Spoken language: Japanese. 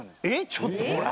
ちょっとほら。